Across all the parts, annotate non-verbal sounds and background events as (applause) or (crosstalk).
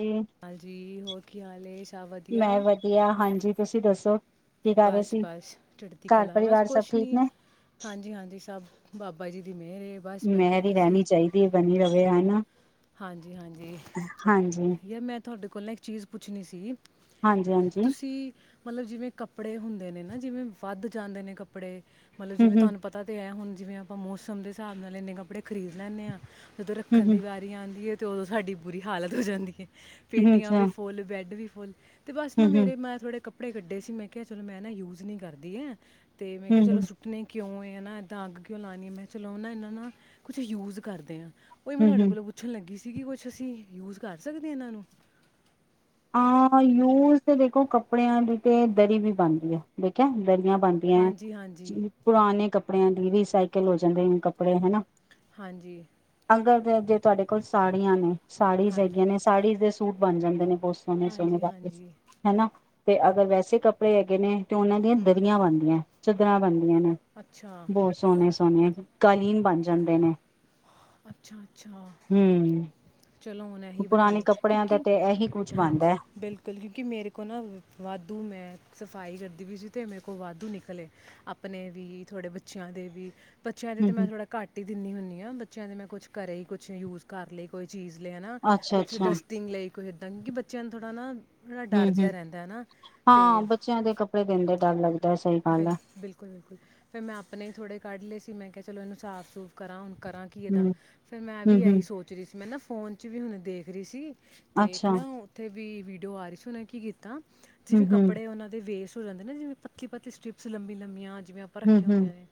ਜੀ ਹਾਂਜੀ ਜੀ ਹੋਰ ਕੀ ਹਾਲ ਏ ਸਭ ਮੈਂ ਵਧੀਆ। ਵਧੀਆ ਹਾਂਜੀ ਤੁਸੀਂ ਦਸੌ ਬਸ-ਬਸ ਚੜਦੀ ਕਲਾ, ਬਸ ਸਭ ਕੁਛ ਠੀਕ ਨ੍ਹੀਂ ਨੇ ਹਾਂਜੀ- ਹਾਂਜੀ ਸਭ ਬਾ ਬਾਜੀ ਦੀ ਮੇ ਮੈਹਰੀ ਰਹਿਣੀ ਚਾਹੀਦੀ ਏ ਬਣੀ ਰਵੇ ਐਨਾ। ਹਾਂਜੀ, ਹਾਂਜੀ। ਤਾਂ ਮੈ ਤੌਡੇ ਕੋਲ ਨਾ ਇੱਕ ਚੀਜ਼ ਪੁੱਛਣੀ ਸੀ। ਹਾਂਜੀ ਹਾਂਜੀ। ਤੁਸੀਂ ਮਤਲਬ ਜਿਵੇਂ ਕੱਪੜੇ ਹੁੰਦੇ ਨੇ ਨਾ ਜਿਵੇਂ ਵੱਧ ਜਾਂਦੇ ਨੇ ਕੱਪੜੇ ਮਤਲਬ ਜਿਵੇਂ ਹਮ ਤੁਹਾਨੂੰ ਹਮ ਪਤਾ ਤੇ ਐ ਹੁਣ ਜਿਵੇਂ ਆਪਾਂ ਮੌਸਮ ਦੇ ਹਿਸਾਬ ਨਾਲ ਇਨੇ ਕੱਪੜੇ ਖਰੀਦ ਲੈਦੇ ਆ ਜਦੋਂ ਰੱਖਣ ਹਮ ਦੀ ਬਾਤ ਆਂਦੀ ਏ, ਤੇ ਉਦੋਂ ਸਾਡੀ ਬੁਰੀ ਹਾਲਤ ਹੋ ਜਾਂਦੀ ਏ। ਹਮ ਪੇਟੀਆਂ ਅੱਛਾ ਵੀ ਫੁੱਲ, ਵੈਡ ਵੀ (unintelligible) ਤੇ ਬਸ ਨਾ ਹਮ ਹਮ ਮੇਰੇ ਮੈਂ ਥੋੜੇ ਇਹ ਗੱਡੇ ਸੀ ਮੈਂ ਕਿਹਾ ਚਲੋ ਮੈਂ ਨਾ ਯੂਜ਼ ਨਹੀਂ ਕਰਦੀ (unintelligible) ਤੇ ਮੈਂ ਕਿਹਾ ਹਮ ਚਲੋ ਹਮ ਸੁੱਟਣੇ ਕਿਉਂ ਕਿਉਂ ਹ ਨਾ ਅੱਗ ਕਿਉਂ ਲਾਣੀ ਮੈਂ ਚਲਾਉਣਾ ਇਹਨਾਂ ਨਾਲ ਕੁਝ ਯੂਜ ਕਰਦੇ ਆ ਓਏ ਮੈਂ ਹਮ ਤੁਹਾਡੇ ਹਮ ਕੋਲ ਸੀਗੀ ਕੁਝ ਅਸੀਂ ਯੂਜ ਕਰ ਸਕਦੇ ਆ ਇਹਨਾਂ ਨੂੰ ਆ ਯੂਜ ਤੇ ਵੇਖੋ ਕੱਪੜਿਆਂ ਦੀ ਤੇ ਦਰੀਆਂ ਵੀ ਬਣਦੀਆਂ ਦੇਖੀ ਆ ਹਾਂਜੀ ਹਾਂਜੀ (unintelligible) ਪੁਰਾਣੇ ਕਪ (unintelligible) ਵੀ ਰੀ ਸਾਈਕਲ ਹੋ ਜਾਂਦੇ ਕੱਪੜੇ ਹੇਨਾ। ਹਾਂਜੀ (unintelligible) ਤੁਹਾਡੇ ਕੋਲ ਸਾੜੀਆਂ ਨੇ। ਸਾਰੀਸ ਹਾਂਜੀ ਹੇਗੀਆਂ ਨੇ, ਸਾਰੀ ਦੇ ਸੁ ਸੂਟ ਬਣ ਜਾਂਦੇ ਨੇ ਹਾਂਜੀ (unintelligible) ਹਾਂਜੀ ਹੇਨਾ ਤੇ ਹਾਂਜੀ ਅਗਰ ਵੈਸੇ ਕੱਪੜੇ (unintelligible) ਤੇ ਉਹਨਾਂ ਦੀਆਂ ਹੂੰ ਦਰੀਆਂ ਬਣਦੀਆਂ ਚਦਰਾ ਦਾ ਨੀ (unintelligible) ਬਹੁਤ ਅੱਛਾ ਬਹੁਤ ਸੋਨੇ ਸੋਨੇ ਕਾਲੀਨ ਬਨ ਜਾਂਦੇ ਨੇ। ਅੱਛਾ ਅੱਛਾ ਹਮ ਚਲੋ ਹੁਣ ਇਹੀ ਪੁਰਾਣੇ ਬਨਾਨੀ। ਕੱਪੜਿਆਂ ਦਾ ਕਿਉਂਕਿ ਤੇ ਇਹੀ ਕੁੱਝ ਹਾਂਜੀ, ਬਣਦਾ ਹੈ ਬਿਲਕੁਲ ਕਿਊਕਿ ਮੇਰੇ ਕੋਲ ਨਾ ਵਾਧੂ ਮੈਂ ਸਫਾਈ ਕਰਦੀ ਵੀ ਸੀ ਤੇ ਮੇਰੇ ਕੋਲ ਵਾਧੂ ਨਿਕਲੇ ਆਪਣੇ ਵੀ ਥੋੜੇ ਬੱਚਿਆਂ ਦੇ ਵੀ ਅੱਛਾ, ਅਜੇ ਹਮ ਤੇ ਮੈਂ ਹਮ ਥੋੜਾ ਘੱਟ ਹੀ ਦਿੰਦੀ ਹੁੰਦੀ ਆ। ਬ ਕਹਿੰਦੇ ਮੈਂ ਕੁਝ ਘਰੇ ਹੀ ਕੁਝ ਯੂਜ ਕਰ ਲਈ ਕੋਈ ਚੀਜ਼ ਲੇ ਹਨਾ ਅੱਛਾ ਕੁਝ ਅੱਛਾ ਡਸਟਿੰਗ ਲਈ (unintelligible) ਜਿਹਾ ਰਹਿੰਦਾ ਹੈ ਨਾ ਹਾਂ ਅਤੇ ਬੱਚਿਆਂ ਦੇ ਕੱਪੜੇ ਦਿਨ ਦੇ ਡਰ ਲੱਗਦਾ ਸਹੀ ਗੱਲ ਹੈ ਬਿਲਕੁਲ ਫਿਰ ਮੈਂ ਆਪਣੇ ਥੋੜੇ ਗਿੱਲੇ ਸੀ ਮੈਂ ਕਿਹਾ ਚਲੋ ਇਨੂੰ ਸਾਫ ਸੂਫ ਕਰਾ। ਕਰਾਂ ਕੀ ਇਨਾ ਹਮ ਫਿਰ ਮੈਂ ਹਮ ਵੀ ਹਮ ਇਹੀ ਸੋਚਦੀ ਸੀ ਮੈਂ ਨਾ ਫੋਨ ਚ ਵੀ ਹੁਣ ਦੇਖ ਰਹੀ ਸੀ। ਤੇ ਅੱਛਾ ਨਾ ਉਥੇ। ਦੀ ਵੀਡੀਓ ਆਰਹੀ ਉਨ੍ਹਾਂ ਨੇ ਕੇ ਹਮ ਜਿਵੇਂ ਹਮ ਕੱਪੜੇ ਉਹਨਾਂ ਦੇ ਵੇਸਟ (unintelligible) ਤੇ ਸਟ੍ਰਿਪਸ ਲੰਬੀ ਲੰਬੀਆਂ ਜਿਵੇਂ ਆਪਾਂ ਹਮ ਰੱਖੇ ਹਮ ਹੁੰਦੇ ਨੇ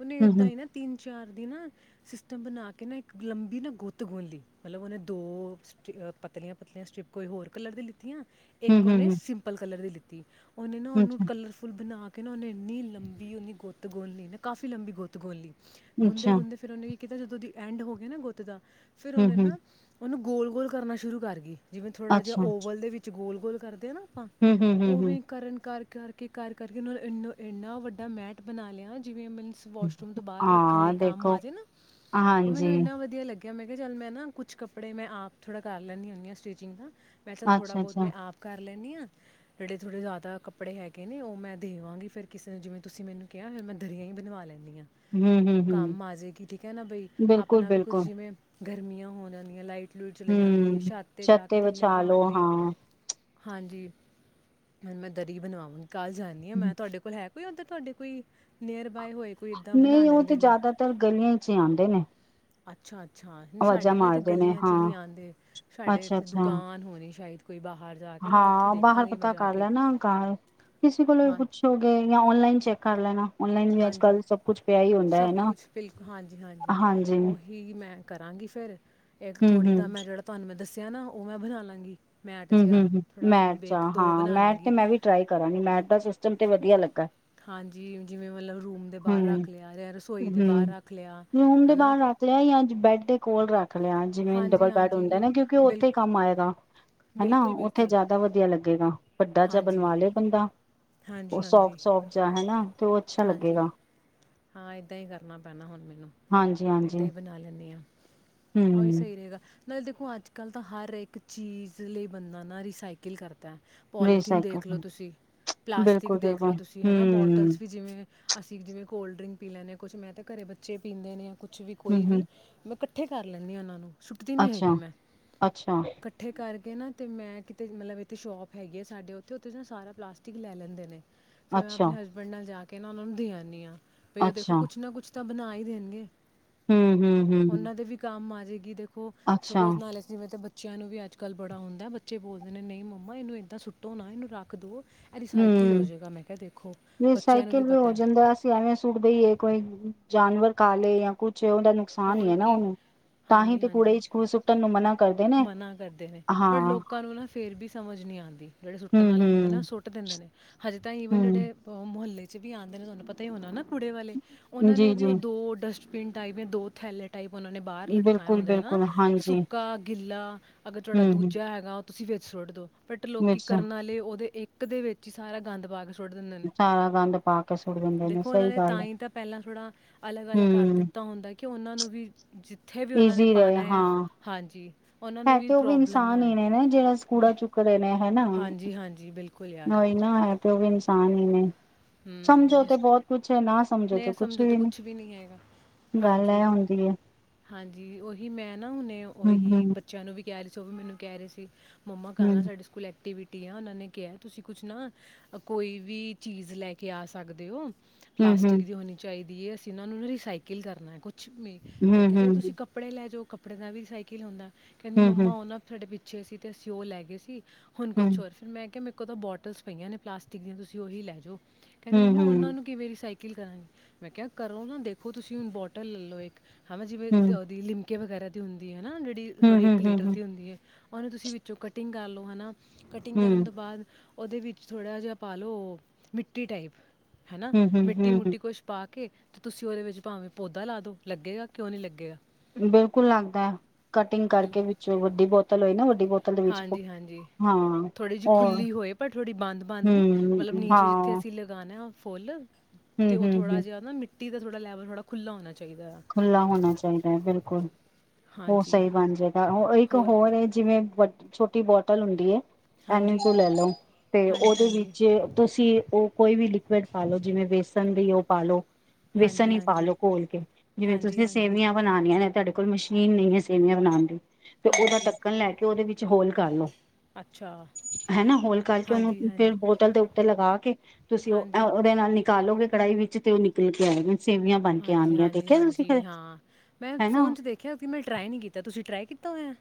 ਉਹਨੇ ਹਮ ਇਦਾਂ ਹੀ ਨਾ ਤਿੰਨ ਜਾਣਦੇ ਨਾ ਸਿਸਟਮ ਬਣਾ ਕੇ ਨਾ ਇੱਕ ਲੰਬੀ ਨਾ ਗੁੱਤ ਗੁਣਲੀ ਮਤਲਬ ਉਹਨੇ ਦੋ ਪਤਲੀਆਂ ਪਤਲੀਆਂ ਸਟਰਿਪ ਕੋਈ ਹੋਰ ਕਲਰ ਦੀ ਲਿੱਤੀਆਂ। ਹਮ ਹਮ ਇਕੋ ਨੇ ਹਮ ਸਿੰਪਲ ਕਲਰ ਦੀ (inaudible) ਓਹਨਾ ਨੇ ਹਮ ਇਹਨੂੰ ਅੱਛਾ ਕਲਰਫੁਲ ਬਣਾ ਕਿਹਨੂੰ ਓਹਨੇ ਇਨੀ ਲੰਬੀ ਉਦੀ ਗੁੱਤ ਗੁਣਲੀ ਨੇ ਕਾਫੀ ਲੰਬੀ ਗੁੱਤ ਗੁਣਲੀ। ਗੁੰਦੇ ਅੱਛਾ ਗੁੰਦੇ ਫਿਰ ਉਹਨੇ। ਕਿਤੇ ਜਦੋਂ ਤੁਸੀਂ ਐਂਡ ਹੋ ਗਏ ਨਾ ਗੁੱਤ ਦਾ ਫਿਰ ਹਮ ਉਹਨੇ ਹਮ ਨਾ ਉਹਨੂੰ ਗੋਲ ਗੋਲ ਕਰਨਾ ਸ਼ੁਰੂ ਕਰਗੇ। ਜਿਵੇਂ ਥੋੜਾ ਜਿਹਾ ਅੱਛਾ ਓਵਲ ਦੇ ਵਿੱਚ ਗੋਲ ਬੋਲ ਕਰਦੇ ਆ ਨਾ। ਹੂੰ, ਹੂੰ, ਹੂੰ, ਉਹ ਹੂੰ, ਵੀ ਕਰਨ ਇਸ ਕਰਕੇ ਕਰ ਕਰ ਇਨਾ ਵੱਡਾ ਮੈਟ ਬਣਾ ਲਿਆ। ਹੂੰ। (unintelligible) ਬਾਹਰ ਰੱਖਣ ਹਾਂ ਲਈ ਕੰਮ ਦੇਖੋ ਆ ਜਾਏ ਨਾ, ਉਹ ਹਾਂਜੀ, ਮੈਨੂੰ ਇਨਾ ਵਧੀਆ ਲੱਗੀ ਮੈਂ ਕਿਹਾ ਚਲ ਮੈਂ ਨਾ ਕੁਝ ਕੱਪੜੇ ਮੈਂ ਆਪ ਥੋੜਾ ਕਰ ਲੈਦੀ ਹੁੰਦੀ ਆ ਸਟੀਚਿੰਗ। ਪੈਸਾ ਥੋੜਾ ਬਹੁਤ ਅੱਛਾ-ਅੱਛਾ, ਮੈਂ ਆਪਕਾ ਜਿਹੜੇ ਥੋੜੇ ਜਿਆਦਾ ਕੱਪੜੇ ਹੈਗੇ ਨੇ ਉਹ ਮੈਂ ਫਿਰ ਕਿਸੇ ਨੇ ਜਿਵੇਂ ਤੁਸੀਂ ਮੈਨੂੰ ਕਿਹਾ ਮੈਂ ਦਰੀਆਂ ਹੀ ਬਣਵਾ ਲੈ ਹੂੰ, ਹੂੰ, ਹੂੰ। ਕੰਮ ਆ ਜਾਏਗੀ ਠੀਕ ਹ ਨਾ ਬਈ ਆਪਣਾ ਵੀ ਕੁਝ ਬਿਲਕੁਲ-ਬਿਲਕੁਲ, ਜਿਵੇਂ ਗਰਮੀਆਂ ਹੋ ਜਾਂਦੀਆਂ ਲਾ ਚਲੇ ਜਾਂਦੀ ਹ ਹੂੰ। ਛਾਤ ਤੇ ਛੱਤ ਜਾ ਕੇ ਥੱਲੇ ਵਿਛਾ ਪਾਣ ਲੋ ਲਈ। ਹਾਂ, ਹਾਂਜੀ ਮੈਂ ਦਰੀ ਬਣਾਵਾਂਗੀ ਕੱਲ ਜਾ ਨੀ ਮੈਂ ਤੁਹਾਡੇ ਕੋਲ ਹੈ (unintelligible) ਤੁਹਾਡੇ ਕੋਈ ਲੇਅਰ ਨਹੀਂ ਉਹ ਤੇ ਜਿਆਦਾਤਰ ਗਲੀਆਂ ਚ ਆਉਂਦੇ ਨੇ ਅੱਛਾ ਅੱਛਾ ਹੁਣ ਆਵਾਜ਼ਾਂ ਸਾਡੇ ਇੱਥੇ ਮਾਰਦੇ ਗੱਲੀਆਂ ਚ ਹਾਂ, ਨੇ ਆਉਂਦੇ ਸਾਡੇ ਏਥੇ ਅੱਛਾ-ਅੱਛਾ। ਦੁਕਾਨ ਹੋਣੀ ਸ਼ਾਇਦ ਕੋਈ ਬਾਹਰ ਜਾ ਕੇ ਨਾ ਉੱਥੇ ਹਾਂ ਬਾਹਰ ਦੇਖਾਂਗੀ ਮੈਂ ਪਤਾ ਜਾ ਕਰ ਕੇ ਲੈਣਾ (unintelligible) ਪਹਿਲਾਂ ਹਾਂ ਪੁੱਛੋ ਗੇ ਜਾਂ ਆਨਲਾਈਨ ਚੈੱਕ ਕਰ ਲੈਣਾ। ਔਨਲਾਈਨ ਵੀ ਹਾਂਜੀ ਅੱਜ-ਕੱਲ ਸਭ ਕੁਛ ਪਿਆ ਈ ਹੁੰਦਾ ਐ ਸਭ ਨਾ। ਕੁਛ ਬਿਲ ਹਾਂਜੀ ਹਾਂਜੀ ਓਹੀ ਮੇ ਕਰਾਂਗੀ ਫਿਰ ਇਕ ਥੋੜੀ ਹੂੰ-ਹੂੰ, ਤਾਂ ਹੂੰ-ਹੂੰ, ਮੈਂ (unintelligible) ਹਨਾਂ ਉਹ ਮ ਬਣਾ ਲਾ ਗੀ ਹੂੰ, ਹੂੰ, ਹੂੰ, ਮੈਟ ਚ ਦੋ ਹਾਂ ਬਣਾ ਮੈਟ ਤੇ ਲਾਂਗੀ ਮੈਂ ਵੀ ਟਰਾਈ ਕਰਾਂਗੀ ਮੈਟ ਤਾਂ ਸਿਸਟਮ ਤੇ ਵਧੀਆ ਲੱਗਾ। ਹਾਂਜੀ ਜਿਵੇਂ ਮਤਲਬ ਰੂਮ ਦੇ ਬਾਹਰ ਹੂੰ। ਰੱਖ ਲਿਆ ਯਾਂ ਰਸੋਈ ਹੂੰ ਦੇ ਬਾਹਰ ਰੱਖ ਲਿਆ ਰੂਮ ਦੇ ਹਨਾਂ ਬਾਹਰ ਰੱਖ ਲਿਆ ਜਾਂ ਬੈਡ ਦੇ ਕੋਲ ਰ (unintelligible) ਜਿਵੇਂ ਡਬਲ ਬੈਡ ਹੁੰਦਾ ਨਾ ਕਿਉੰਕਿ ਬਿਲ ਉੱਥੇ ਹੀ ਕੰਮ ਆਏਗਾ ਹਨਾ ਬਿਲਕੁਲ ਉੱਥੇ ਬਿਲਕੁਲ ਜਿਆਦਾ ਵਧੀਆ ਲੱਗੇਗਾ। ਵੱਡਾ ਜਿਹਾ ਹਾਂਜੀ ਬਣਵਾ ਲਿਆ ਬੰਦਾ ਹਾਂਜੀ ਉਹ ਹਾਂਜੀ ਸੋਫਟ ਸੋਫਟ ਜਿਹਾ ਹੈ ਨਾ ਤੋਂ ਅੱਛਾ ਹਾਂਜੀ ਲੱਗੇਗਾ ਹਾਂ ਏਦਾ ਹੀ ਕਰਨਾ ਪੈਣਾ ਹੁਣ ਮੈਨੂੰ ਹਾਂਜੀ ਹਾਂਜੀ ਏਦਾ ਹੀ ਬਣਾ ਲੈਣੀ ਆ ਓਹੀ ਹੂੰ ਸਹੀ ਰਹੇਗਾ ਨਾਲੇ ਦਖੋ ਅੱਜਕਲ ਤਾਂ ਹਰ ਇਕ ਚੀਜ਼ ਲਈ ਬੰਦਾ ਨਾ ਰੀਸਾਇਕਲ ਕਰਦਾ ਪੋਲੀਥੀਨ ਦੇਖ ਲਓ ਰੀਸਾਈਕਲ ਤੁਸੀਂ ਪਲਾਸਟਿਕ ਬਿਲਕੁਲ ਦੇਖ ਬਿਲਕੁਲ ਲਓ ਤੁਸੀ ਹਨਾਂ ਬੋਟਲਜ਼ ਹੂੰ ਵੀ ਜਿਵੇਂ ਅਸੀ ਜਿਵੇਂ ਕੋਲ੍ਡ ਡਰਿੰਕ ਪੀ ਲੈਂਨੇ ਕੁਛ ਮੈਂ ਤੇ ਘਰੇ ਬੱਚੇ ਵੀ ਪੀਂਦੇ ਨੇ ਕੁੱਛ ਵੀ ਹੂੰ ਕੋਈ ਹੂੰ ਵੀ ਕਰ ਲੈਂਨੀ ਆ ਉਹਨਾਂ ਨੂੰ ਸੁਟਦੀ ਨੀ ਹੈਗੀ ਅੱਛਾ ਮੈਂ, ਅੱਛਾ ਇਕੱਠੇ ਕਰ ਓਹਨਾ ਤੇ ਮੈਂ ਕੀਤੇ ਮਤਲਬ ਇੱਥੇ ਸ਼ੋਪ ਹੈ ਗਈ ਆ ਸਾਡੇ ਉੱਥੇ ਉੱਥੇ ਨਾ ਸਾਰਾ ਪਲਾਸਟਿਕ ਲੈ ਲੈਂਦੇ ਨੇ ਫੇਰ ਮੈਂ ਅੱਛਾ ਆਪਣੇ ਹਸਬੈਂਡ ਨਾਲ ਜਾਕੇ ਇਹਨਾ ਨੂੰ ਦੇ ਆਂਨੀ ਆ (unintelligible) ਦੇਖੋ ਅੱਛਾ ਕੁਛ ਨਾ ਕੁਛ ਤਾਂ ਬਣਾ ਹੀ ਦੇਣਗੇ ਹੂੰ ਹੂੰ ਹੂੰ ਹੂੰ ਉਹਨਾਂ ਦੇ ਵੀ (unintelligible) (unintelligible) ਨੂੰ ਵੀ ਅੱਜ ਕੱਲ ਬੜਾ ਆਉਂਦਾ ਬੱਚੇ ਬੋਲਦੇ ਨੇ ਨਹੀਂ ਮਮਾ ਇਹਨੂੰ ਇਦਾਂ ਸੁੱਟੋ ਨਾ ਇਹਨੂੰ ਰੱਖ ਦੋ ਰਿਸਾਈਕਲ ਹੋ ਹੂੰ ਜਾਏਗਾ ਮੈਂ ਕਿਹਾ ਦੇਖੋ ਬੱਚਿਆਂ ਨੂੰ ਵੀ ਪਤਾ ਟੁੱਟ ਗਈ ਹ ਕੋਈ ਜਾਨਵਰ ਕਾਲੇ ਜਾਂ ਕੋਈ ਦਾ ਨੁਕਸਾਨ ਹੋਰ ਕੀ ਹਾਂਜੀ ਹਾਂਜੀ ਨੂੰ ਮਨਾ ਨੇ ਮਨਾ ਕਰਦੇ ਨੇ ਪਰ ਹਾਂ ਲੋਕਾਂ ਨੂੰ ਨਾ ਫਿਰ ਵੀ ਸਮਝ ਨਹੀਂ ਆਉਂਦੀ ਜਿਹੜੇ ਹੂੰ ਸੁੱਤਾ ਵਾਲੇ ਹੁੰਦੇ ਨਾ ਹੂੰ ਹਾਂ ਤਾਂ ਈਵਨ ਜਿਹੜੇ ਹੂੰ ਮਹੱਲੇ ਚ ਵੀ ਆਉਂਦੇ ਨੇ ਤੁਹਾਨੂੰ ਪਤਾ ਹੀ ਹੁੰਦਾ ਨਾ ਮੁੜੇ ਵਾਲੇ ਉਹਨਾਂ ਨੇ ਜੀ ਵੀ ਉਹ ਜੀ ਦੋ ਦੋ ਥੈਲ ਟਾਈਪ ਉਹਨਾਂ ਨੇ ਬਾਹਰ ਲਟਕਾਇਆ ਬਿਲਕੁਲ ਹੁੰਦਾ ਨਾ ਬਿਲਕੁਲ ਹਾਂਜੀ ਸੁੱਕਾ (unintelligible) ਅਗਰ ਤੁਹਾਡਾ ਹੂੰ ਹੂੰ ਦੂਜਾ (unintelligible) ਲੋਕੀ ਮਿਰਚ ਕਰਨ ਵਾਲੇ ਉਹਦੇ ਦੇ ਵਿੱਚ ਹੀ ਸਾਰਾ ਗੰਦ ਪਾਗ ਸਾਰਾ ਗੰਦ ਪਾ ਕੇ ਸੁੱਟ ਦਿੰਦੇ ਦੇਖੋ ਇਹਨਾਂ ਸਹੀ ਨੇ ਗੱਲ ਤਾਂ ਹੈ ਹੀ ਤਾਂ ਪਹਿਲਾਂ ਥੋੜਾ ਅਲਗ ਅਲਗ ਅਟ ਹੂੰ ਦਿੱਤਾ ਹੁੰਦਾ ਉਹਨਾਂ ਨੂੰ ਵੀ ਉਹਨਾਂ ਨੇ ਈਜ਼ੀ ਰਹੇ ਪਾਣਾ ਆ ਹਾਂ ਹਾਂਜੀ ਉਹਨਾਂ ਨੂੰ ਉਹ ਵੀ ਪ੍ਰੋਬਲਮ ਨਾ ਇਨਸਾਨ ਹੀ ਆਏ ਨੇ ਜਿਹੜਾ ਕੂੜਾ ਬਿ- ਚੁੱਕ ਰਹੇ ਨੇ ਹਾਂਜੀ ਹਾਂਜੀ ਬਿਲਕੁਲ ਯਾਰ ਹਨਾ ਇਨਸਾਨ ਹੀ ਨੇ ਸਮਝੋ ਤੇ ਬਹੁਤ ਕੁਛ ਹੈ ਨਾ ਨੇ ਸਮਝੋ ਤੇ ਨੀ ਕੁਛ ਵੀ ਨਹੀਂ ਹੈਗਾ ਗੱਲ ਹਾਂਜੀ ਇਹ ਹੁੰਦੀ ਹੈ ਹਾਂਜੀ ਉਹੀ ਮੈਂ ਨਾ ਹੁਣੇ ਹੂੰ ਹੂੰ ਓਹੀ ਬੱਚਿਆਂ ਨੂੰ ਵੀ ਮੈਨੂੰ ਕਹਿ ਰਹੇ ਸੀ ਹੂੰ ਸਕੂਲ ਦੀ ਗਤੀਵਿਧੀ ਉਹਨਾਂ ਨੇ ਕਿਹਾ ਤੁਸੀਂ ਕੁਝ ਨਾ ਕੋਈ ਵੀ ਚੀਜ਼ ਲੈ ਕਿ ਆ ਸਕਦੇ ਹੋ ਹੂੰ ਪਲਾਸਟਿਕ ਹੂੰ ਦੀ ਹੋਣੀ ਚਾਹੀਦੀ ਹ ਇਹਨਾਂ ਨੂੰ ਸਾਈਕਲ ਕਰਨਾ ਮੈਂ ਹੂੰ ਹੂੰ ਕਿਹਾ ਚਲੋ ਤੁਸੀਂ ਹੂੰ ਕੱਪੜੇ ਲੈ ਜਾਓ ਪੰਜਾਬੀ ਸਾਈਕਲ ਹੁੰਦਾ ਕਹਿੰਦੀ ਹੂੰ ਮੰਮਾ ਹੂੰ ਉਹ ਨਾ ਤੁਹਾਡੇ ਵੀ ਸੀ ਤੇ ਅਸੀਂ ਉਹ ਲੈ ਗਏ ਸੀ। ਹੁਣ ਕੁਝ ਹੂੰ ਹੋਰ, ਫਿਰ ਮੈਂ ਕਿਹਾ ਮੈਨੂੰ ਇਕ ਦੋ ਬੋਟਲਸ ਪਈਆਂ ਨੇ ਪਲਾਸਟਿਕ ਦੀਆਂ ਤੁਸੀਂ ਉਹੀ ਲੈ ਜਾਓ। ਕਹਿੰਦੀ ਹੂੰ ਮੰਮਾ ਉਹਨਾਂ ਨੂੰ ਹੂੰ ਕੀਵੇਂ ਰਿਸਾਈ ਕੀ ਕਰਾਂਗੇ। ਮੈਂ ਕਿਹਾ ਕਰੋ ਨਾ ਦੇਖੋ ਤੁਸੀਂ ਹੁਣ ਬੋਟਲ ਲੈ ਲਓ ਇਕ ਹਾਂ ਜਿਵੇਂ ਇਕ ਤੇ ਉਦੀ ਜਿਵੇਂ ਲਿਮ ਕੇ ਵਗੈਰਾ ਦੀ ਹੁੰਦੀ ਹੈ। ਨਾ ਜਿਹੜੀ ਹੂੰ ਥੋੜੀ ਹੂੰ ਇੱਕ ਲੀਟਰ ਹੂੰ ਦੀ ਹੁੰਦੀ ਹੈ। ਉਹਨੂੰ ਤੁਸੀਂ ਵਿੱਚੋਂ ਕਟਿੰਗ ਕਰ ਲਓ, ਹਨਾ। ਕਟਿੰਗ ਕਰਨ ਹੂੰ, ਤੋਂ ਬਾਅਦ ਉਹਦੇ ਵਿੱਚ ਥੋੜਾ ਜਿਹਾ ਪਾ ਲਓ ਮਿੱਟੀ ਟਾਈਪ ਹੈਨਾ, ਹੂੰ, ਹੂੰ, ਮਿੱਟੀ ਹੂੰ, ਮੁੱਟੀ ਕੁਝ ਪਾ ਕੇ ਤੇ ਤੁਸੀਂ ਉਹਦੇ ਵਿੱਚ ਭਾਵੇਂ ਪੌਧਾ ਲਾ ਦੋ ਲੱਗੇਗਾ ਕਿਉਂ ਨਹੀਂ ਲੱਗੇਗਾ। ਬਿਲਕੁਲ ਲੱਗਦਾ ਹੈ, ਕਟਿੰਗ ਕਰਕੇ ਵਿੱਚੋਂ ਵੱਡੀ ਬੋਤਲ ਹੋਈ ਨਾ ਬੋਤਲ ਦੇ ਵਿੱਚ ਹਾਂਜੀ ਹਾਂਜੀ, ਹਾਂ। ਥੋੜੀ ਜਿਹੀ ਔਰ ਖੁੱਲੀ ਹੋਈ ਪਰ ਥੋੜੀ ਬੰਦ ਬੰਦ ਨਹੀਂ, ਹੂੰ, ਮਤਲਬ ਨੀਚੇ ਜਿੱਥੇ ਹਾਂ ਅਸੀਂ ਲਗਾਣਾ ਫੂਲ ਤੇ ਹੂੰ, ਉਹ ਹੂੰ, ਥੋੜਾ ਹੂੰ ਜਿਹਾ ਨਾ ਮਿ ਮਿੱਟੀ ਦਾ ਥੋੜਾ ਲੈਵਲ ਥੋੜਾ ਖੁੱਲਾ ਹੋਣਾ ਚਾਹੀਦਾ ਆ। ਖੁੱਲਾ ਹੋਣਾ ਚਾਹੀਦਾ ਹੈ, ਬਿਲਕੁਲ। ਉਹ ਹਾਂਜੀ, ਸਹੀ ਬਣ ਜਾਏਗਾ ਉਹ ਇਕ ਹੋਰ ਜਿਵੇਂ ਵ ਛੋਟੀ ਬੋਤਲ ਹੁੰਦੀ ਏ। ਇਨੀ ਹਾਂਜੀ, ਕੁ ਲੇਲੋ ਤੇ ਹਾਂਜੀ, ਹਾਂਜੀ, ਉਹਦੇ ਹਾਂਜੀ, ਵਿੱਚ ਤੁਸੀਂ ਉ ਕੋਈ ਵੀ ਲਿਕੁਏਡ ਪਾ ਲਓ, ਜਿਵੇਂ ਬੇਸਣ ਦੀ ਉਹ ਪਾ ਲਓ ਬੇਸਣ ਹੀ ਪਾ ਹਾਂਜੀ, ਲੋ ਘੋਲ ਕੇ। ਜਿਵੇਂ ਹਾਂਜੀ, ਤੁਸੀਂ ਹਾਂਜੀ, ਸੇਵੀਆਂ ਬਣਾਣੀਆ ਨ ਨੇ ਤੁਹਾਡੇ ਕੋਲ ਮਸ਼ੀਨ ਨਹੀਂ ਹੈ ਸੇਵੀਆਂ ਬਣਾਉਣ ਦੀ। ਤੇ ਉਹਦਾ ਹਾਂਜੀ, ਢੱਕਣ ਲੈ ਕੇ ਉਹਦੇ ਵਿੱਚ ਹੋਲ ਕਰ ਲਓ। ਅੱਛਾ, ਹੈਨਾ ਹੋਲ ਕਰਕੇ ਉਹਨੂੰ ਹਾਂਜੀ, ਫਿਰ ਹਾਂਜੀ, ਬੋਟਲ ਦੇ ਉੱਤੇ ਲਗਾ ਕੇ ਤੁਸੀਂ ਹਾਂਜੀ, ਉਹਦੇ ਨਾਲ ਨਿਕਾਲੋਗੇ ਕੜਾਈ ਵਿੱਚ ਤੇ ਉਹ ਨਿਕਲ ਕੇ ਆਏ ਨੇ ਸੇਵੀਆਂ ਬਣ ਕੇ ਹਾਂਜੀ, ਆਣਗੀਆਂ ਤੇ ਹਾਂਜੀ, ਹਾਂਜੀ ਹਾਂ, ਮੈਂ ਫੋਨ ਚ' ਦੇਖਿਆ ਸੀ। ਮੈਂ ਟਰਾਈ ਨਹੀਂ ਕੀਤਾ ਤੁਸੀਂ ਟਰਾਈ ਕੀ ਤੋਂ ਆ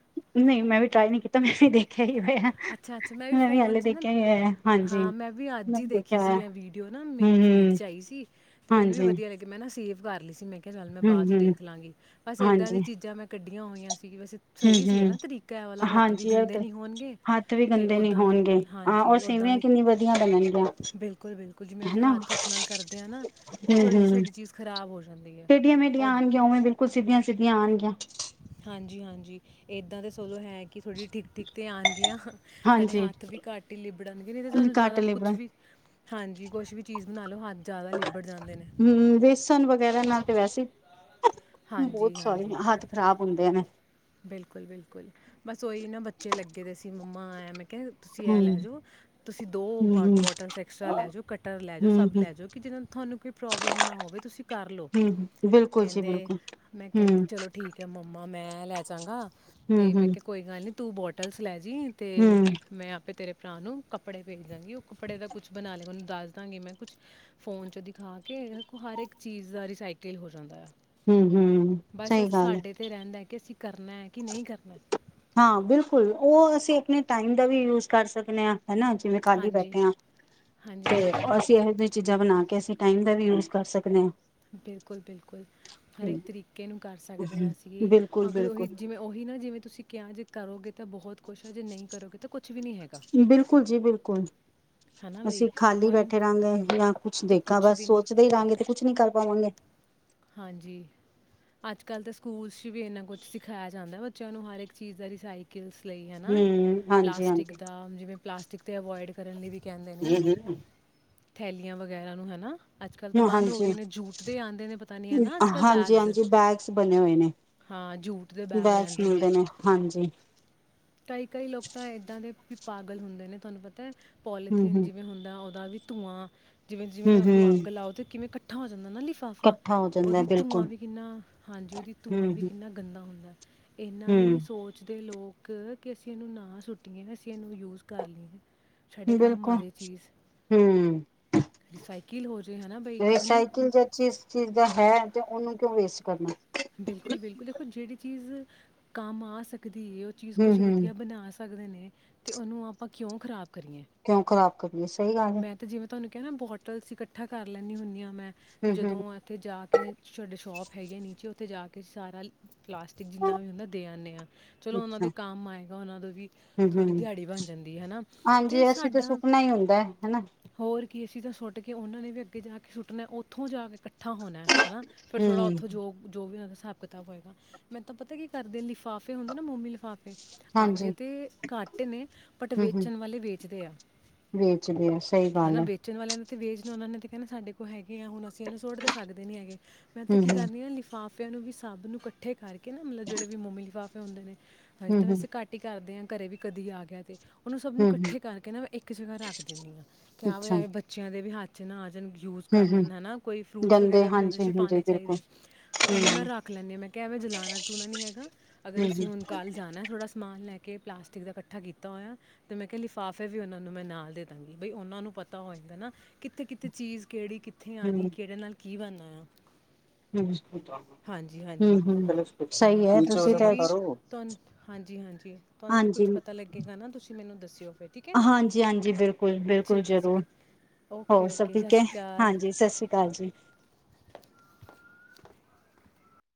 ਨਈ ਮੈਂ ਵੀ ਟਰਾਈ ਨੀ ਕੀਤਾ, ਮੈਂ ਵੀ ਦੇਖੀ। ਅੱਛਾ ਅੱਛਾ, ਮੈਂ ਵੀ ਫੋਨ ਚ ਹੀ ਨਾ, ਦੇਖਿਆ ਹੋਇਆ ਹਾਂਜੀ ਹਾਂ ਮੈਂ ਵੀ ਅੱਜ ਮੈਂ ਹੀ ਦੇਖੀ ਦੇਖਿਆ ਸੀ ਹੋਇਆ ਇਹ ਵੀਡੀਓ ਨਾ ਹਮ ਮੇਰੇ ਫੀਡ ਹਮ 'ਚ ਆਈ ਸੀ। ਤੇ ਮੈਨੂੰ ਵੀ ਹਾਂਜੀ ਵਧੀਆ ਲੱਗੀ। ਮੈਂ ਨਾ ਸੇਵ ਕਰ ਲਈ। ਮੈਂ ਕਿਹਾ ਚੱਲ ਮੈਂ ਬਾਅਦ ਹਮ ਚ ਹਮ ਦੇਖ ਲਾਂਗੀ, ਬਸੇ ਇਦਾਂ ਹਾਂਜੀ ਦੀਆਂ ਚੀਜ਼ਾਂ ਮੈਂ ਕੱਢੀਆਂ ਹੋਈਆਂ ਸੀ। ਵੈਸੇ, ਸਹੀ ਹਮ ਸੀ ਹਮ ਨਾ ਤਰੀਕਾ ਇਹ ਵਾਲਾ ਹੱਥ ਵੀ ਹਾਂਜੀ ਇਹ ਤਾਂ ਗੰਦੇ ਨਹੀਂ ਹੋਣਗੇ। ਹੱਥ ਵੀ ਤੇ ਗੰਦੇ ਨੀ ਉਦਾਂ ਵੀ ਹੋਣਗੇ ਹਾਂ ਔਰ ਹਾਂਜੀ ਉਦਾਂ ਸੇਵੀਆਂ ਵੀ ਕਿੰਨੀ ਵਧੀਆ ਬਣਨਗੀਆਂ ਬਿਲਕੁਲ ਬਿਲਕੁਲ, ਜਿਵੇਂ ਅਸੀਂ ਹਨਾ। ਹੱਥ ਹੋਥ ਨਾਲ ਕਰਦੇ ਆ ਨਾ, ਉਹ ਥੋੜੀ ਜਿਹੀ ਸਾਡੀ ਚੀਜ਼ ਖਰਾਬ ਹੋ ਜਾਂਦੀ ਹੈ ਟੇਡੀਆ ਉਹ ਮੇਡੀਆਂ ਆਣਗੀਆਂ, ਉਵੇ ਬਿਲਕੁਲ ਸਿੱਧੀਆਂ ਸਿੱਧੀਆਂ ਆਣਗੀਆਂ। ਹਾਂਜੀ ਹਾਂਜੀ ਇਦਾਂ ਦੇ ਸੋਲੋ ਹੈ, ਕਿ ਥੋੜੀ ਠੀਕ ਠੀਕ ਤੇ ਆਣਗੀਆਂ। ਸਾਡੇ ਹਾਂਜੀ ਹੱਥ ਵੀ ਘੱਟ ਹੀ ਲਿਬੜਾਂਗੇ, ਤੇ ਸਾਨੂੰ ਘੱਟ ਜ਼ਿਆਦਾ ਤੇ ਕੁਝ ਲੇਬੜਾ ਵੀ ਹਾਂਜੀ, ਕੁਛ ਵੀ ਚੀਜ਼ ਬਣਾ ਲਓ, ਹ ਹੂੰ, ਬੇਸਨ ਵਗੈਰਾ ਨਾਲ ਤੇ ਵੈਸੇ ਹਾਂਜੀ ਬਹੁਤ ਸਾਰੇ ਹਾਂਜੀ ਹੱਥ ਖਰਾਬ ਹੁੰਦੇ ਨੇ। ਬਿਲਕੁਲ ਬਿਲਕੁਲ, ਬਸ ਉਹੀ ਨਾ ਬੱਚੇ ਲੱਗੇ ਦੇ ਸੀ, ਮੰਮਾ ਆ ਤੁਸੀ ਆ ਹੂੰ। ਲੈ ਜੋ, ਤੁਸੀਂ ਦੋ ਹੂੰ ਬਟ ਹੂੰ ਬੋਟਲਸ ਐਕਸਟਰਾ ਲੈ ਜਾਓ ਕੱਟਰ ਲੈ ਜਾਓ ਹੂੰ ਸਭ ਹੂੰ ਲੈ ਜਾਓ ਕਿ ਜਿਨਾਂ ਤੁਹਾਨੂੰ ਕੋਈ ਪ੍ਰੋਬਲਮ ਨਾ ਹੋਵੇ, ਤੁਸੀਂ ਕਰ ਲਓ ਹੂੰ ਬਿਲਕੁਲ ਜੀ ਕਹਿੰਦੇ, ਬਿਲਕੁਲ ਮੈਂ ਹੂੰ ਕੈਂਦਾ ਹੂੰ ਚਲੋ ਠੀਕ ਆ ਮੰਮਾ ਮੈਂ ਲੈ ਗਾ ਤੇਂ ਮੈਂ ਹੂੰ। ਕਿਹਾ ਕੋਈ ਗੱਲ ਨੀ ਤੂੰ ਬੋਟਲਸ ਲੈ ਜੀ ਤੇ, ਹੂੰ ਮੈਂ ਆਪੇ ਤੇਰੇ ਨੂੰ ਕੱਪੜੇ ਵੇਖਣਗੀ ਉਹ ਕੱਪੜੇ ਦਾ ਕੁਝ ਬਣਾ ਲੇ, ਉਹਨੂੰ ਦੱਸ ਦਾਂਗੇ ਮੈਂ ਕੁਝ ਫੋਨ ਚ ਦਿਖਾ ਕੇ ਹਰ ਇੱਕ ਚੀਜ਼ ਦਾ ਰਿਸਾਈਕਲ ਹੋ ਜਾਂਦਾ ਆ। ਹੂੰ ਹੂੰ, ਬਸ ਇਹ ਸਹੀ ਗੱਲ ਆ। ਸਾਡੇ ਤੇ ਰਹਿੰਦਾ ਹੈ ਕਿ ਅਸੀਂ ਕਰਨਾ ਆ ਕੇ, ਨਹੀਂ ਕਰਨਾ ਹਾਂ ਬਿਲਕੁਲ, ਉਹ ਅਸੀਂ ਆਪਣੇ ਟਾਈਮ ਦਾ ਵੀ ਯੂਜ ਕਰ ਸਕਨੇ ਆ। ਹੇਨਾ, ਜਿਵੇਂ ਖਾਲੀ ਹਾਂਜੀ ਬੈਠੇ ਆ ਹਾਂਜੀ ਤੇ ਹਾਂਜੀ ਅਸੀਂ ਇਹੋ ਜੀ ਚੀਜ਼ਾਂ ਬਣਾ ਅਸੀਂ ਟਾਈਮ ਦਾ ਵੀ ਯੂਜ ਕਰ ਸਕਦੇ ਆ। ਬਿਲਕੁਲ ਬਿਲਕੁਲ, ਹਰ ਇਕ ਤਰੀਕੇ ਨੂੰ ਕਰ ਸਕਦੇ ਬਿਲਕੁਲ-ਬਿਲਕੁਲ, ਹਾਂ ਅਸੀਂ, ਅਗਰ ਉਹੀ ਬਿਲਕੁਲ ਜਿਵੇਂ ਉਹੀ ਨਾ ਜਿਵੇਂ ਤੁਸੀਂ ਕਿਆ ਜੇ ਕਰੋਗੇ ਤਾਂ ਬਹੁਤ ਕੁਛ ਹੈ ਜੇ ਨਹੀਂ ਕਰੋਗੇ ਤਾਂ ਕੁਛ ਵੀ ਨਹੀਂ ਹੈਗਾ ਬਿਲਕੁਲ ਜੀ ਬਿਲਕੁਲ, ਹੈ ਨਾ ਬਈ ਅਸੀਂ ਖਾਲੀ ਹੁਣ ਬੈਠੇ ਰਹਾਂਗੇ ਜਾਂ ਕੁਝ ਤਾਂ ਦੇਗਾ ਕੁਛ ਬਸ ਵੀ ਨਹੀਂ ਸੋਚਦੇ ਹੀ ਰਹਾਂਗੇ ਤੇ ਕੁਝ ਨਹੀਂ ਕਰ ਪਾਵਾਂਗੇ। ਹਾਂਜੀ, ਅੱਜ ਕੱਲ ਤੇ ਸਕੂਲਸ ਚ ਵੀ ਇਨਾ ਕੁਝ ਸਿਖਾਇਆ ਜਾਂਦਾ ਬੱਚਿਆਂ ਨੂੰ ਹਰ ਇੱਕ ਚੀਜ਼ ਦਾ ਰਿਸਾੲ ਲਈ ਹਨਾ। ਹੂੰ, ਪਲਾਸਟਿਕ ਹਾਂਜੀ-ਹਾਂਜੀ। ਦਾ ਜਿਵੇਂ ਪਲਾਸਟਿਕ ਤੇ ਅਵੋਇਡ ਕਰਨ ਲਈ ਵੀ ਕਹਿੰਦੇ ਨੇ ਥੈਲੀਆਂ ਵਗੈਰਾ ਨੂੰ ਹਨਾ ਅੱਜ ਕੱਲ ਤੋਂ ਬੰਦ ਹੋ ਗਏ ਨੇ ਜੂਟ ਦੇ ਆਉਂਦੇ ਨੇ ਨਹੀਂ ਹੈ ਨਾ ਅੱਜ ਕੱਲ੍ਹ ਹਾਂਜੀ ਬੈਗਸ ਹਾਂਜੀ ਬੈਗਸ ਬਣੇ ਹੋਏ ਨੇ ਹਾਂ ਜੂਟ ਦੇ ਬੈਗ ਬੈਗਸ ਰਹਿੰਦੇ ਮਿਲਦੇ ਨੇ ਹਾਂਜੀ। ਕਈ ਕਈ ਲੋਕ ਤਾਂ ਇਦਾਂ ਪਾਗਲ ਹੁੰਦੇ ਨੇ ਤੁਹਾਨੂੰ ਪਤਾ ਹੈ ਪੋਲੀਥੀਨ ਹੂੰ-ਹੂੰ, ਜਿਵੇਂ ਹੁੰਦਾ ਉਹ ਹਾਂਜੀ ਧੂਆਂ ਜਿਵੇਂ ਜਿਵੇਂ ਹੂੰ-ਹੂੰ ਉਹਨੂੰ ਅੱਗ ਲਾਓ ਤੇ ਕਿਵੇਂ ਕਠਾ ਉਹਨਾਂ ਦਾ ਲਿਫਾਫਾ ਇਕੱਠਾ ਹੋ ਜਾਂਦਾ ਉਹਦੀ ਧੂਆਂ ਬਿਲਕੁਲ ਵੀ ਕਿੰਨਾ ਹਾਂਜੀ ਉਹਦਾ ਧੂਆਂ ਵੀ ਹੂੰ-ਹੂੰ। ਕਿੰਨਾ ਗੰਦਾ ਇਹਨਾਂ ਨੇ ਹੂੰ, ਹੂੰ ਸੋਚਦੇ ਲੋਕ ਕ ਕੇ ਅਸੀਂ ਇਹਨੂੰ ਨਾ ਸੁੱਟੀਏ ਅਸੀਂ ਇਹਨੂੰ ਯੂਸ ਕਰ ਲਈਏ। ਸਾਡੇ ਕੰਮ ਆ ਬਿਲਕੁਲ ਜੇ ਚੀਜ਼ ਹਮ ਰਿਸਾਈਕਲ ਹੋ ਜੇ ਹੈ ਨਾ ਬਈ ਇੱਕ ਰਿਸਾਈਕਲ ਉਹਨੂੰ ਜਿਸ ਚੀਜ਼ ਦਾ ਹੈ। ਤੇ ਉਹਨੂੰ ਕਿਉਂ ਵੇਸਟ ਕਰਨਾ। ਬਿਲਕੁਲ ਬਿਲਕੁਲ ਦੇਖੋ ਜਿਹੜੀ ਚੀਜ਼ ਕੰਮ ਆ ਸਕੇ। ਕਦੇ ਇਹ ਚੀਜ਼ ਕੁਛ ਹੂੰ-ਹੂੰ, ਵਧੀਆ ਬਣਾ ਸਕੇ। ਕਰ ਸਕਦੇ ਨੇ ਤੇ ਉਹਨੂੰ ਆਪਾਂ ਕਿਉਂ ਖਰਾਬ ਕਿਓ ਖਰਾਬ ਕਰੀਏ ਸਹੀ ਗੱਲ ਹੈ। ਇਹ ਨਾ ਬੋਟਲਸ ਇਕੱਠੀਆਂ ਕਰ ਲੈਦੀ ਹੁੰਦੀ ਆ ਮੈਂ ਤੇ ਹੂੰ-ਹੂੰ ਜਦੋਂ ਇਥੋਂ ਜਾ ਕੇ ਸਾਡੇ ਸ਼ੋਪ ਹੈਗੇ ਨੀਚੇ ਤੇ ਜਾ ਕੇ ਸਾਰਾ ਲਿ ਪਲਾਸਟਿਕ ਜਿੰਨਾ ਵੀ ਹੁੰਦਾ ਦੇ ਆਂਦੇ ਆ ਚਲੋ ਉਹਨਾਂ ਅੱਛਾ। ਦੇ ਕੰਮ ਆਏਗਾ ਉਹਨਾਂ ਦੀ ਵੀ ਥੋੜੀ ਹੂੰ-ਹੂੰ। ਦਿਹਾੜੀ ਬਣ ਜਾਂਦੀ ਹੈ ਤੇ ਹਾਂਜੀ ਅਸੀਂ ਸਾਡਾ ਸੁੱਕਣਾ ਹੀ ਹੁੰਦਾ ਹੈ ਹਨਾ। ਹੋਰ ਕੀ ਅਸੀਂ ਤੇ ਸੁੱਟ ਕੇ ਉਹਨਾਂ ਨੇ ਵੀ ਅੱਗੇ ਜਾ ਕੇ ਸੁੱਟਣਾ ਉਥੋਂ ਜਾ ਕੇ ਹੋਣਾ ਹਨਾ ਫਿਰ ਥੋੜਾ ਹੂੰ। ਉਥੋਂ ਜੋ ਹਮ, ਹਿਸਾਬ ਕਿਤਾਬ ਹੋਏਗਾ। ਮੈਨੂੰ ਤਾਂ ਪਤਾ ਕੀ ਕਰਦੇ ਲਿਫਾਫੇ ਹੁੰਦੇ ਨਾ ਮੋਮੀ ਲਿਫਾਫੇ ਹਾਂਜੀ ਆਉਂਦੇ ਤੇ ਘੱਟ ਨੇ ਬਟ ਹੂੰ-ਹੂੰ ਵੇਚਣ ਵਾਲੇ ਵੇਚ ਗਿਆ। ਵੇਚਦੇ ਆਂ ਸਹੀ ਗੱਲ ਹੈ। ਵਾਲਿਆਂ ਨੇ ਤੇ ਵੇਸ ਨੇ ਉਹਨਾਂ ਨੇ ਤੇ ਕਹਿੰਦੇ ਸਾਡੇ ਕੋਲ ਹੈਗੇ ਆ ਹੁਣ ਅਸੀਂ ਇਹਨੂੰ ਸੁੱਟ ਦੇ ਸਕਦੇ ਨਹੀਂ ਹੈਗੇ ਮੈਂ ਤਾਂ ਕੀ ਹੂੰ-ਹੂੰ, ਕਰ ਰਹੀ ਆ। ਲਿਫ ਲਿਫਾਫਿਆਂ ਨੂੰ ਵੀ ਸਭ ਨੂੰ ਇਕੱਠੇ ਕਰਕੇ ਨਾ ਮਤਲਬ ਜਿਹੜੇ ਵੀ ਮੋਮੀ ਲਿਫਾਫੇ ਹੁੰਦੇ ਨੇ। ਅੱਜ ਤਾਂ ਹੂੰ-ਹੂੰ, ਵੈਸੇ ਘੱਟ ਈ ਕਰਦੇ ਆਂ। ਘਰੇ ਵੀ ਕਦੀ ਆ ਗਿਆ ਤੇ ਓਨੂ ਸਭ ਨੂੰ ਹੂੰ-ਹੂੰ। ਕੱਠੇ ਕਰਕੇ ਨਾ ਮੈਂ ਇੱਕ ਜਗਹਾ ਰੱਖ ਦੇਨੀ ਆ ਕਿਆ ਅੱਛਾ ਐਵੇਂ ਬੱਚਿਆਂ ਦੇ ਵੀ ਹੱਥ ਨਾ ਆਜਨ। ਯੂਜ ਕਰ ਹੂੰ-ਹੂੰ ਲੈਨ ਹੈਨਾ, ਕੋਈ ਫਰੂਟਸ ਗੰਦੇ ਵਗੈਰਾ ਵੀ ਨੀ ਉਹਦੇ ਚ ਹਾਂਜੀ-ਹਾਂਜੀ ਪਾਨੇ ਬਿਲਕੁਲ ਚਾਹੀਦੇ। ਉਹਨੂੰ ਹੂੰ। ਮੈਂ ਰੱਖ ਲੈਣੀ ਆ ਮੈਂ ਕਿਆ ਐਵੇਂ ਜਲਾਣਾ ਜਲੂਨਾ ਨ੍ਹੀਂ ਹੈਗਾ ਅਗਰ ਅਸੀਂ ਹੂੰ-ਹੂੰ, ਹੁਣ ਕਾਲ ਜਾਣੈ ਥੋੜਾ ਸਮਾ ਮਾਨ ਲੈ ਕੇ ਪਲਾਸਟਿਕ ਦਾ ਕੱਠਾ ਕੀਤਾ ਹੋਇਆ ਤੇ ਮੈਂ ਕਿਆ ਲਿਫਾਫੇ ਵੀ ਉਹਨਾਂ ਨੂੰ ਮੈਂ ਨਾਲ ਦੇ ਦਾਂਗੀ, ਬਈ ਉਹਨਾਂ ਨੂੰ ਪਤਾ ਹੋਏਗਾ ਨਾ ਕਿੱਥੇ ਕਿੱਥੇ ਚੀਜ਼ ਕੇੜੀ ਕਿੱਥੇ ਆਨੀ ਕੀਹਦੇ ਨਾਲ ਕੀ ਬਨਨਾ ਐ। ਹਾਂ। (unintelligible) ਹਮ। ਹਾਂਜੀ, ਹਾਂਜੀ। ਹਮ, ਸਹੀ ਹੈ ਬਾਕੀ ਤੁਸੀਂ ਤਾਂ ਵੀ ਤੁਹਾਨੂੰ ਹਾਂਜੀ, ਹਾਂਜੀ ਤੁਹਾਨੂੰ ਵੀ ਕੁਝ ਪਤਾ ਲੱਗੇਗਾ ਨਾ ਤੁਸੀਂ ਮੈਨੂੰ ਦਸ ਸਯੋ ਹਾਂਜੀ, ਹਾਂਜੀ। ਬਿਲਕੁਲ, ਬਿਲਕੁਲ ਠੀਕ ਹੈ ਜਰੂਰ ਠੀਕ ਹੈ ਹੋਰ ਓਕੇ ਸਭ ਓਕੇ ਸਤਿ ਠੀਕ ਐ? ਸ਼੍ਰੀ ਅਕਾਲ ਹਾਂਜੀ, ਸਤ ਸ਼੍ਰੀ ਕਾਲ ਜੀ।